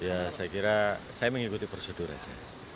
ya saya kira saya mengikuti prosedur aja